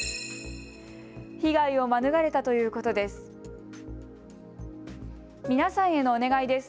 被害を免れたということです。